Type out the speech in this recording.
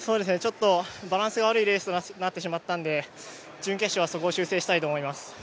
バランスが悪いレースとなってしまったので、準決勝はそこを修正したいと思います。